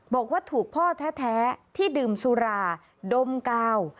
บอกว่าถูกพ่อแท้ที่ดื่มสุราดมกาว